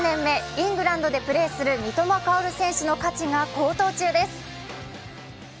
イングランドでプレーする三笘薫選手の価値が高騰中です。